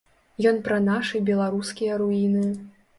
Ён пра нашы беларускія руіны.